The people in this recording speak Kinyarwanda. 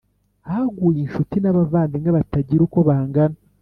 Haguye inshuti n’abavandimwe batagira uko bangana